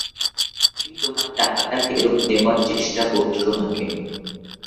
তুমি তোমার টাকাটা ফেরত নেওয়ার চেষ্টা করছ না কেন?